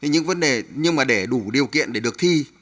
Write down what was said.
nhưng mà để đủ điều kiện để được thi